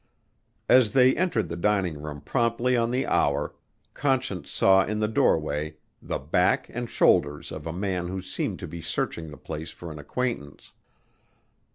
As they entered the dining room promptly on the hour, Conscience saw in the doorway the back and shoulders of a man who seemed to be searching the place for an acquaintance.